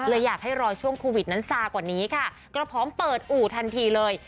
อยากให้รอช่วงโควิดนั้นซากว่านี้ค่ะกระพร้อมเปิดอู่ทันทีเลย